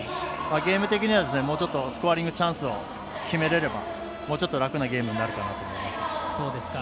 ゲーム的にはもうちょっとスコアリングチャンスを決めれれば、もうちょっと楽なゲームになるかなと思います。